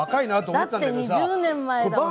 だって２０年前だもん。